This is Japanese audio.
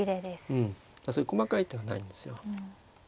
うんそういう細かい手がないんですよ。